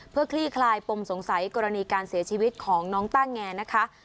เพื่อคลี่คลายปมสงสัยกรณีการเสียชีวิตของน้องต้าแงนะคะ